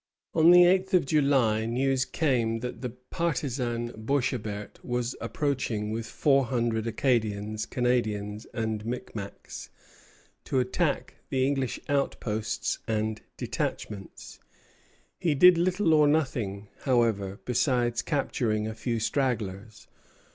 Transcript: On the eighth of July news came that the partisan Boishébert was approaching with four hundred Acadians, Canadians, and Micmacs to attack the English outposts and detachments. He did little or nothing, however, besides capturing a few stragglers.